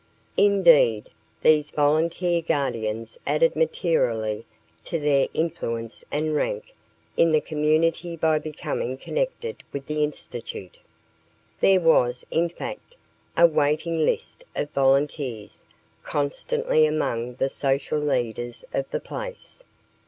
Indeed, these volunteer Guardians added materially to their influence and rank in the community by becoming connected with the Institute. There was, in fact, a waiting list of volunteers constantly among the social leaders of the place.